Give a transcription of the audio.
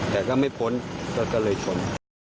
แต่ก็ไม่พ้นรถก็เลยชน